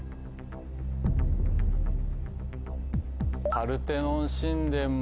「パルテノン神殿」も。